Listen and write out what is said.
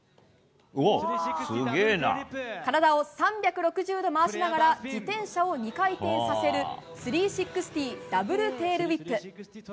体を３６０度回しながら自転車を２回転させる３６０ダブルテールウィップ。